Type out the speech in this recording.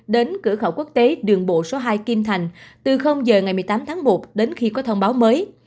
đến cửa khẩu quốc tế đường bộ số hai kim thành từ giờ ngày một mươi tám tháng một đến khi có thông báo mới